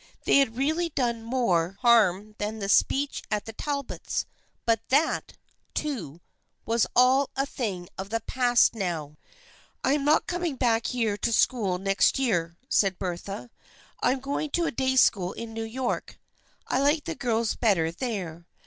They had really done more THE FRIENDSHIP OF ANNE 307 harm than the speech at the Talbots', but that, too, was all a thing of the past now. " I am not coming back here to school next year," said Bertha. " I am going to a day school in New York. I like the girls better there.